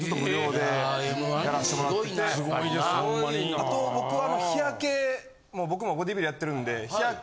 あと僕は日焼け僕もボディビルやってるんで。